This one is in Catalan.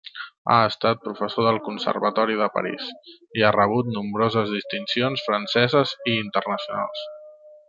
Ha estat professor del Conservatori de París i ha rebut nombroses distincions franceses i internacionals.